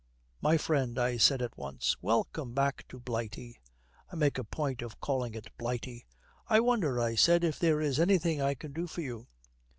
'"My friend," I said at once, "welcome back to Blighty." I make a point of calling it Blighty. "I wonder," I said, "if there is anything I can do for you?"